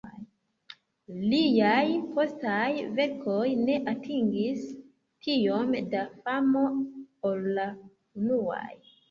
Liaj postaj verkoj ne atingis tiom da famo ol la unuaj.